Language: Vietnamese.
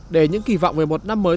để những kỳ vọng về một năm mới